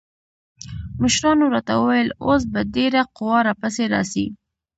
مشرانو راته وويل اوس به ډېره قوا را پسې راسي.